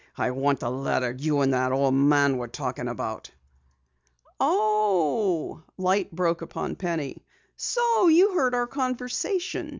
"I want the letter you and that old man were talking about." "Oh!" Light broke upon Penny. "So you heard our conversation!